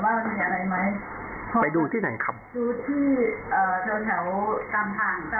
เราก็เลยอุดสบายใจเราก็เลยนึกว่าแต่เอาความสบายใจ